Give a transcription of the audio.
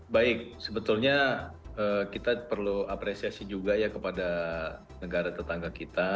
baik sebetulnya kita perlu apresiasi juga ya kepada negara tetangga kita